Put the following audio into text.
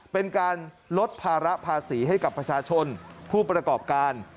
เป็นการลดภาระภาษีให้กับประชาชนผู้ประกอบการ